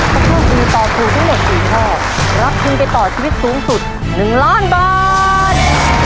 ถ้าตอบถูกทั้งหมดสี่ข้อรับทุนไปต่อชีวิตสูงสุดหนึ่งล้านบาท